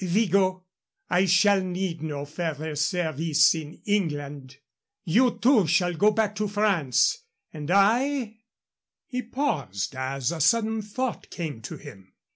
"Vigot, I shall need no further service in England. You, too, shall go back to France and I " He paused as a sudden thought came to him.